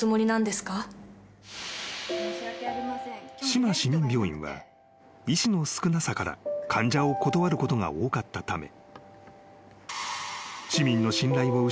［志摩市民病院は医師の少なさから患者を断ることが多かったため］